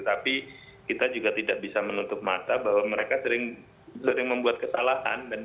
tapi kita juga tidak bisa menutup mata bahwa mereka sering membuat kesalahan